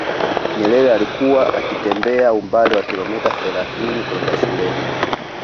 nyerere alikuwa akitembea umbali wa kilometa thelathini kwenda shuleni